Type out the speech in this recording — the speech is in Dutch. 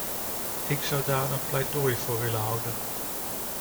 Ik zou daar een pleidooi voor willen houden.